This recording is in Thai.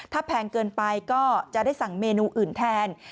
ถ้าแพงเกินไปก็จะได้สั่งเมนูอื่นแทน